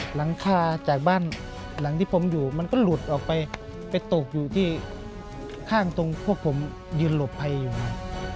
หลังคาจากบ้านหลังที่ผมอยู่มันก็หลุดออกไปไปตกอยู่ที่ข้างตรงพวกผมยืนหลบภัยอยู่มา